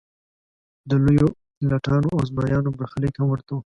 د لویو لټانو او زمریانو برخلیک هم ورته و.